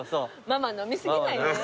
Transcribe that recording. ママ飲み過ぎないで。